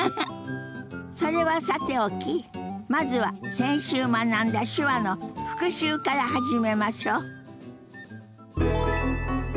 それはさておきまずは先週学んだ手話の復習から始めましょ。